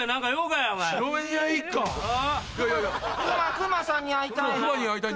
クマさんに会いたい。